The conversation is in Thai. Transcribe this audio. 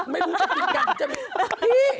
ไม่รู้จะกินกันจะมีพี่